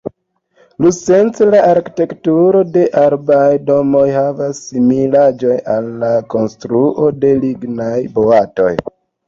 Iusence la arkitekturo de arbaj domoj havas similaĵojn al la konstruo de lignaj boatoj.